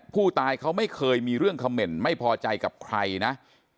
ผู้ตายเขาไม่เคยมีเรื่องเขม่นไม่พอใจกับใครนะ